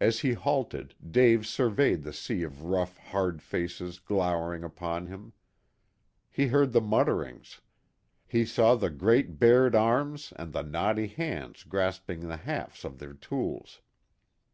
As he halted Dave surveyed the sea of rough, hard faces glowering upon him. He heard the mutterings. He saw the great bared arms and the knotty hands grasping the hafts of their tools.